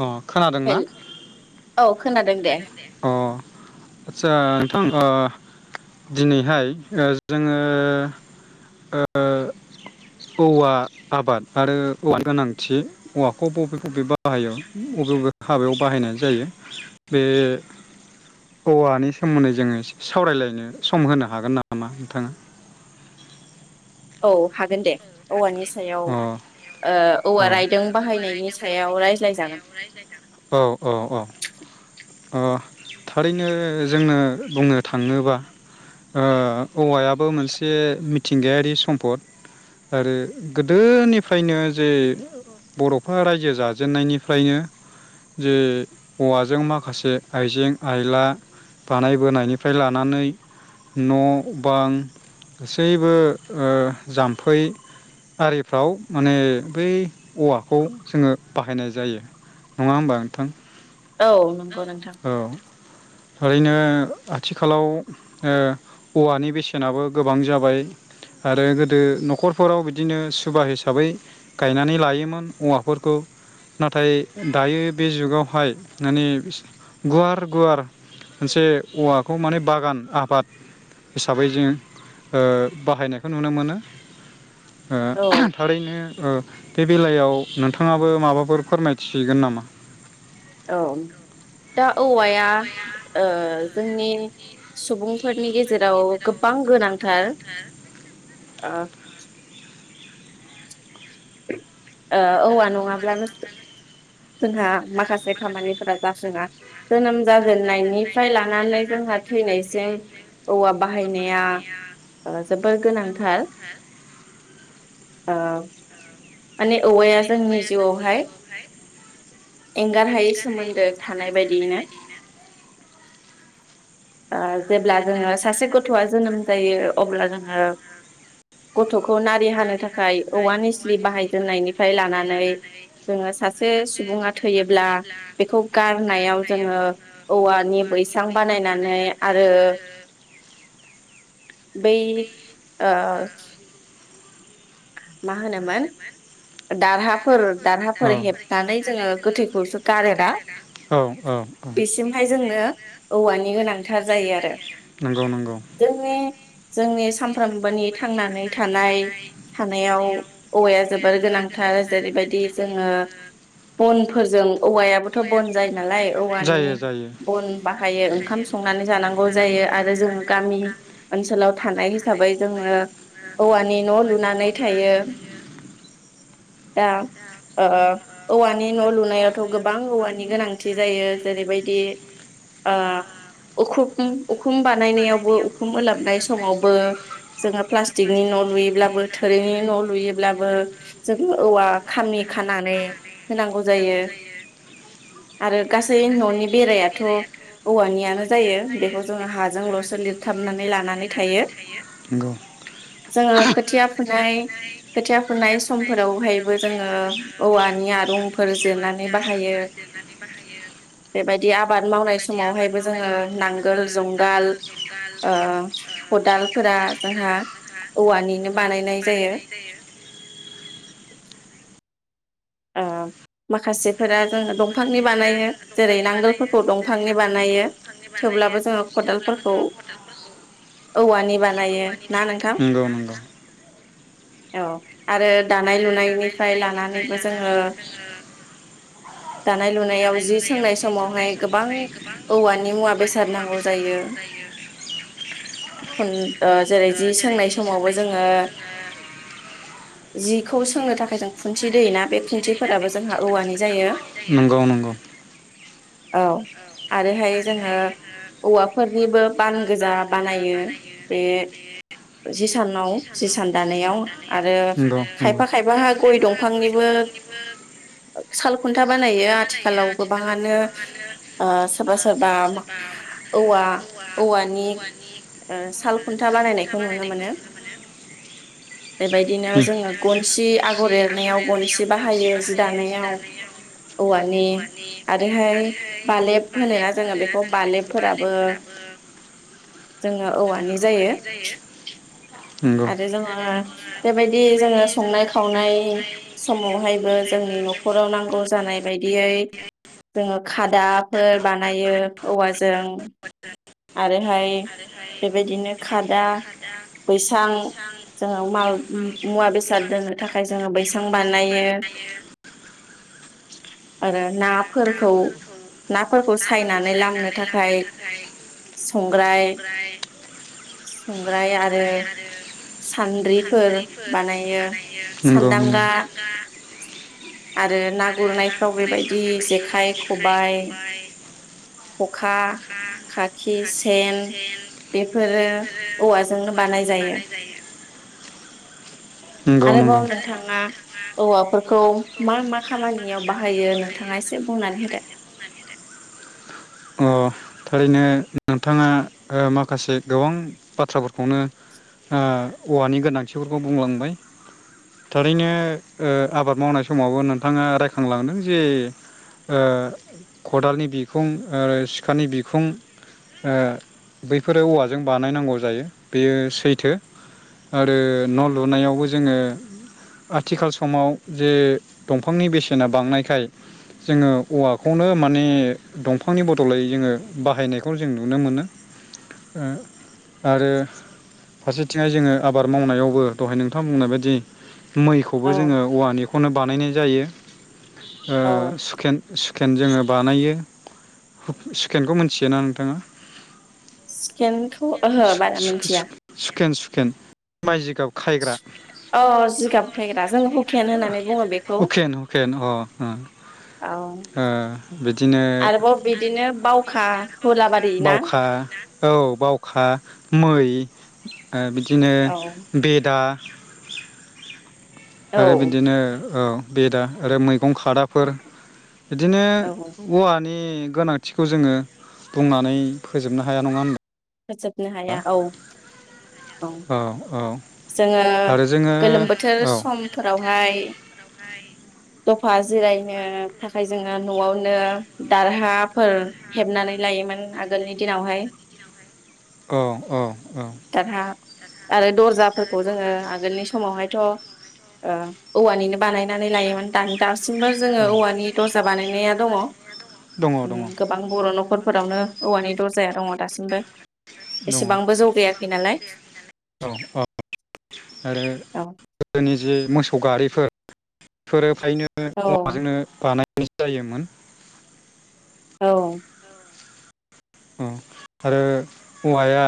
अ खोनादोंना। हेल औ खोनादों दे अ आतसा। [inaudible] दिनैहाय जोङो औवा आबाद आरो औवानि गोनांथि औवाखौ बबे बबे बाहायो बबे बबे हाबायाव बाहायनाय जायो। बे औवानि सोमोन्दै जोङो सावरायलायनो सम होनो हागोन नामा नोंथाङा? औ हागोन दे औवानि ओ अ औ औवा रायदों बाहायनायनि सायाव रायज्लाय जागोन। औ औ औ ओ थारैनो जोङो बुंनो थाङोबा ओ औवायाबो मोनसे मिथिंगायारि सम्पद आरो गोदोनिफ्रायनो जे बर'फ्रा रायजो जाजेननायनिफ्रायनो जे औवाजों मा माखासे आइजें आइला बानायबोनायनिफ्राय लानानै न' बां गासैबो जाम्फै आरिफ्राव माने बै औवाखौ जोङो बाहायनाय जायो नङा होमबा नोंथां। औ नंगौ नोंथां। औ ओरैनो आथिखालाव ओ औवानि बेसेनाबो गोबां जाबाय आरो गोदो न'खरफोराव बिदिनो सुबा हिसाबै गायनानै लायोमोन औवाफोरखौ नाथाय दायो बे जुगावहाय माने गुवार गुवार मोनसे औवाखौ माने बागान आबाद हिसाबै जों बाहायनायखौ नुनो मोनो। ओ औ थारैनो। ओ बे बेलायाव नोंथाङाबो माबाफोर फोरमायथिगोन नामा। औ दा। औवाया ओ। जोंनि सुबुंफोरनि गेजेराव गोबां गोनांथार ओ औवा नङाब्लानो जोंहा माखासे खामानिफोरा जाफुङा जोनोम जा नायनिफ्राय लानानै जोंहा थैनायसिम औवा बाहाय जोबोर गोनांथार ओं। मानि औवा हौवाया जोंनि जिउआवहाय। एंगार हायै सोमोन्दो थानाय बायदियैनो। ओ जेब्ला जोङो सासे गथ'आ जोनोम जायो अब्ला जोङो गथ'खौ नारि हानो थाखाय औवा निस्लि बाहाय जेननायनिफ्राय लानानै जोङो सासे सुबुङा थैयोब्ला बे गारनायाव जोङो औवानि बैसां बानायना [unintelligible] आरो। बै ओ। मा होनोमोन दारहाफोर दारहाफोर हेबनानै जोङो गोथैखौसो गारो ना औ औ औ बेसिमहाय जोंनो औवानि गोनां। थार जायो आरो। नंगौ नंगौ जोंनि। जोंनि सानफ्रामबोनि थांनानै। थानाय। थानायाव औवाया जोबोर गोनांथार जेरैबायदि जोङो बनफोरजों औवायाबोथ' बन जायो नालाय औवानि जायो बन बाहायो ओंखाम संनानै जानांगौ जायो आरो जोङो गामि। ओनसोलाव थानाय हिसाबै जोङो । औवानि न'लुना थायो‌ दा ओ औवानि न' लुनायावथ गो बां औवानि गोनांथि जायो जेरैबायदि ओ उखुम उखुम बानायनायावबो उखुम ओलाबनाय समावबो जोङो प्लास्टिकनि न' लुयोब्लाबो। थोरिनि न'लुयोब्लाबो जोङो औवा खामि खानानै। होनांगौ जायो आरो गासै न'नि बेरायाथ' औवानियानो जायो बेखौ जोङो हाजोंल'सो लिरथाबनानै लानानै थायो । नंगौ जोङो खोथिया नाय खोथिया फोनाय समफोरावहायबो जोङो औवानि आरंफोर। जिरनानै बाहायो बेबायदि आबाद मावनाय समावहायबो जोङो नांगोल जुंगाल ओ खदालफोरा जोंहा औवानिनो। औवानिनो बानायनाय जायो । ओ माखासेफोरा। जोङो दंफांनि बानायो जेरै नांगोलफोरखौ दंफांनि बानायो थेवब्लाबो जोङो खदालफोरखौ औवानि बानायो ना नोंथां ‌। नंगौ नंगौ औ। आरो दानाय लुनायनिफ्राय लानानैबो। लानानैबो जोङो दानाय लुनायाव दानाय जि लुनायाव सोंनाय जि सोंनाय समावहाय गोबां समावहाय गोबां औवानि मुवा औवानि बेसाद मुवा नांगौ बेसाद नांगौ जायो खुन ओ उम ओ जि जेरै जि सोंनाय जोङो समावबो जोङो जिखौ सोंनो थाखाय जों खुनथि दोयो ना। खुन्थि दोयो ना बे खुन्थिफोराबो जोंहा औवानि जायो नंगौ नंगौ। औ आरोहाय जोङो औवाफोरनिबो बान गोजा बानायो बे जिसानाव जिसान दानायाव आरो नंगौ नंगौ खायफा बेबायदिनो खायफाहा गय दंफांनिबो। सालखुन्था बानायो आथिखालाव गोबाङानो। ओ सोरबा सोरबा औवा औवानि ओ साल खुन्था बानायनायखौ नुनो मोनो बेबायदिनो जोङो गनसि आगर एरनायाव गन बाहायो जि दानायाव औवानि आरोहाय बालेब होनोना जोङो बेखौ बालेबफोराबो जोङो औवानि जायो नोंगौ आरो जोङो बेबायदि जोङो संनाय खावनाय समावहायबो जोंनि न'खराव नांगौ जानाय बायदियै जोंङो खाद फोर बानायो औवाजों आरोहाय बेबायदिनो खादा बैसां जोङो माल मुवा बेसाद दोननो थाखाय जोङो बैस बानायो आरो नाफोरखौ नाफोरखौ सायनानै लामनो थाखाय संग्राय संग्राय आरो सान्द्रिफोर बानायो । नंगौ दांगा नंगौ आरो ना गुरनायफ्राव बेबायदि जेखाइ खबायाइ खबाय, खखा, खाखि, सेन, बेफोरो बेफोरो औवाजोंनो बानाय जायो नंगौ नंगौ आरोबाव । नोंथाङा औवाफोरखौ मा मा खामानियाव बाहायो नोंथाङा एसे बुंनानै होदो । अ थारैनो नोंथाङा ओ माखासे गोबां बाथ्राफोरखौनो ओ औवानि गोनांथिफोरखौ बुंलांबाय थारैनो आबाद मावनाय समावबो नोंथाङा रायखांलांदों जे ओ खदालनि बिखुं आरो सिखानि बिखुं ओ बैफोरो औवाजों बानायनांगौ जायो बेयो सैथो आरो न' लुनायावबो जोङो आथिखाल समाव जे दंफांनि बेसेना बांनायखाय जोङो औवाखौ खौनो माने दंफांनि बदलाय जोङो बाहायनायखौ जों नुनो मोनो आरो फारसेथिंहाय जोङो आबाद मावनायावबो दहाय नोंथां बुंनाय बायदि मैखौबो औ जोङो औवानिखौनो बानायनाय जायो । ओ औ सुखेन सुकेन जोङो बानायो सुकेनखौ मिथियोना नोंथाङा? स्केनखौ ओहो बारा मिथिया । खेन माइ जिगाब खायग्रा औ जिगाब फेग्रा जों हुकेन होननानै बुङो बेखौ हुकेन हुकेन अ औ । ओ बिदिनो बावखा हुलाबारि ना बावखा औ बावखा मै बे बिदिनो औ बेदा औ आरो बिदिनो ओ बेदा आरो मै गं खादाफोर बिदिनो वार नि गोनांथिखौ जोङो बुंनानै फोजोबनो हाया नङा होनबा? फोजोबनो हाया औ औ । जोङो आरो जोङो गोलोम बोथोर औ समफोरावहाय दफा जिरायनो थाखाय जोंङो न'आवनो दारहाफोर हेबनानै लायोमोन आगोलनि दिनावहाय । औ औ औ। आरो दरजा। खौजोङो आगोलनि समावहाय आं ओ औवानिनो लायो दानि दाबो जोङो औवानि दरजा बानायनाया बानायनानै लायोमोन दानदा। सिमबो जोङो औवानि दर्जा बानायनाया दङ। दङ गोबां बर' न'खर फोरावनो औवानि दरजाया दङ दासिमबो।। दङ एसेबांबो जौगायाखै नालाय। औ औ आरो औ गोदोनि जे मोसौ गा बेफोर फोरोब खायनो औ औवाजोंनो बानाय जायोमोन। औ। उम आरो औवाया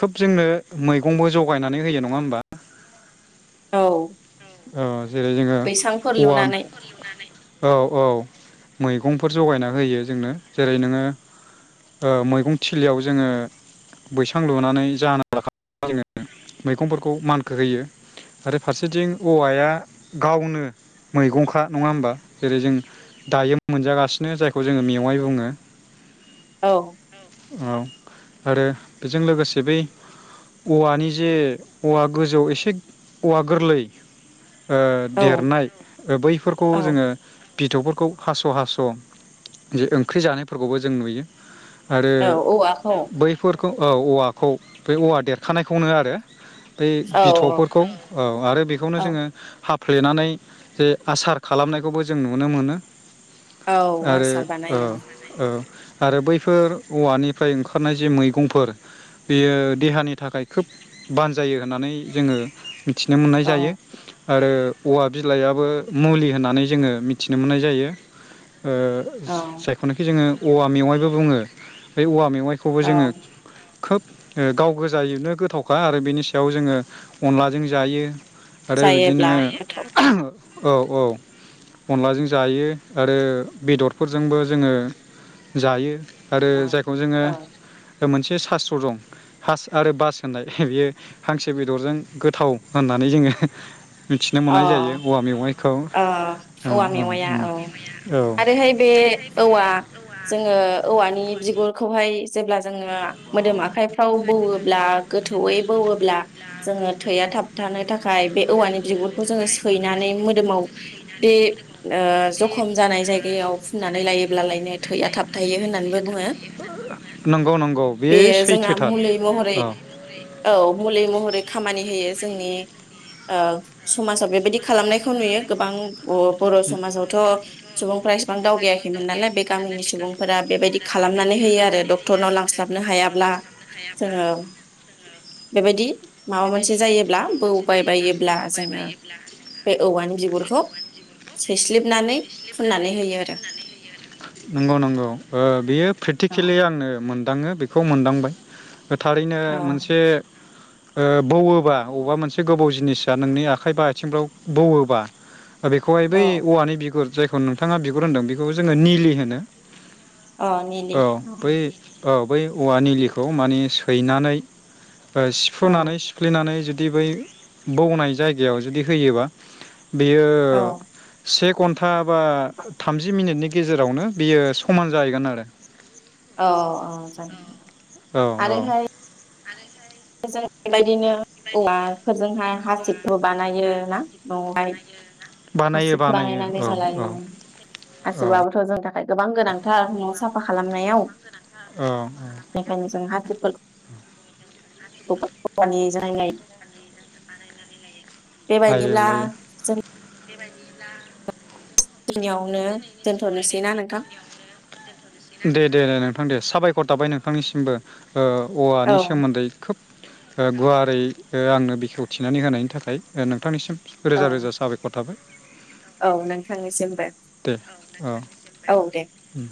खोब जोंनो मैगंबो जगायनानै होयो नङा होमबा। औ। अ। जेरै जोङो बैसांफोर औवा लुनानै औ औ मैगंफोर जगायना होयो जोंनो जेरै नोङो ओ मैगं थिलियाव जोङो बैसां लुनानै जाना जोङो मैगंफोरखौ मानखो होयो आरो फारसेथिं औवाया गावनो मैगंखा नङा होमबा जेरै जों दायो मोनजागासिनो जायखौ जोङो मेवाइ बुङो। औ। औ आरो बेजों लोगोसे बै औवानि जे औवा गोजौ एसे औवा गोरलै। ओ औ देरनाय बैफोरखौ औ जोङो। बिथौफोरखौ हास' हास' जे ओंख्रि जानायफोरखौबो जों नुयो। आरो औ बैफोर औ औवाखौ बै औवा देरखानायखौनो आरो बै औ औ बिथौफोरखौ औ औ आरो बेखौनो औ जोङो हाब फ्लेनानै जे आसार खालामनायखौबो जों नुनो मोनो। औ आरो आसार ओ बानायो ओ आरो बैफोर औवानिफ्राय ओंखारनाय जे मैगंफोर बेयो देहानि थाखाय खोब बानजायो होननानै जोङो मि थिनो मोननाय औ जायो आरो औवा बिलाइबो मुलि होननानै जोङो मिथिनो मोननाय जायो। ओ औ जायखौनाखि जोङो औवा मेवाइबो बुङो। ै औवा मेव संाइखौबो औ जोङो खोब गाव गोजायनो गोथावखा आरो बेनि सायाव जोङो अनलाजों जायो आरो बिदिनो जायोब्ला गोथाव औ औ अनलाजों जायो आरो बेदरफोरजोंबो जोङो जायो आरो औ जायखौ जोङो औ मोनसे सास्त्र दं हास आरो बास होननाय बियो हांसो बेदरजों गोथाव होननानै जोङो मिथिनो मोननाय जायो अ औवा मेवाय ओ औवा मेवाया औ औ आरोहाय बे औवा जोङो औवानि नि बिगुरखौहाय जेब्ला जोङना मोदोम आखाइफ्राव बौवोब्ला गोथौयै बौवोब्ला जोङो थैया थाबथानो थाखाय बे औवानि बिगुरखौ जोङो सैनानै मो मोदोमाव बे जखम जानाय जायगायाव फुननानै लायोब्लालायनो थैया थाबथायायो होननानैबो बुङो नंगौ नंगौ बे बेयो जोंहा सैथोथार मुलि महरै औ औ मुलि महरै खामानि होयो जोंनि ओ समाजाव बेबायदि खालामनायखौ खौ नुयो गोबां अ बर समाजावथ' सुबुंफ्रा इसेबां दावगायाखै नालाय बे गामिनि सुबुं फोरा बेबायदि खालामनानै होयो आरो डक्टरनाव लांस्लाबनो हायाब्ला जोङो बेबायदि माबा मोनसे बेबायदि जायोब्ला माबा मोनसे बौबाय जायोब्ला बायोब्ला बौबाय जोङो बायोब्ला बे औवानि बिगुरखौ जोङो सैस्लिबनानै फुननानै होयो आरो नंगौ नंगौ बे औ प्रेकटिकेलि आंनो मोन दाङो बेखौ मोनदांबाय थारैनो औ मोनसे ओ बौवोबा अबेबा मोनसे गोबाव जिनिसा नोंनि आखाइ बा आथिंफ्राव बौवोबा बेखौहाय बै औ औवानि बिगुर जायखौ नोंथाङा बिगुर होनदों बेखौ जोङो निलि होनो अ निलि औ बै औ बै औवाा निलिखौ माने सैनानै ओ औ फुनानै सिफ्लेनानै जुदि जुदि बै बौनाय जायगायाव जुदि होयोबा बेयो औ सेक हा बा थामजि मिनिटनि नि गेजेरावनो बियो समान जाहैगोन आरो औ औ जानांगौ औ औ जाय बेबायदिनो औवा फोरजोंहा हासिबखौ बानायो ना न'आवहाय बानायो हासिब बानायो बानायनानै औ जालाय औ औ हासिबबोथ' जों थां थाखाय गोबां गोनांथार न' साफा खालामनायाव गोनांथार औ बेखायनो जों हा [unintelligible] [unintelligible] लायो बेबायदिब्ला लायो जों खिनियावनो दोनथ'नोसैना बेखिनियावनो नोंथां? दे दे दे नोंथां दे साबायखर थाबाय नोंथांनिसिमबो ओ औ औवानि सोमोन्दै खोब ओ गुवारै औ आंनो बेखेव थिनानै होनायनि थाखाय नोंथांनिसिम औ रोजा रोजा साबायखर थाबाय औ नोंथांनिसिमबो दे औ औ दे उम